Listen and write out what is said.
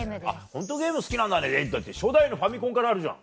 ホントゲーム好きなんだね初代のファミコンからあるじゃん。